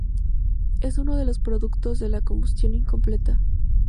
Es uno de los productos de la combustión incompleta.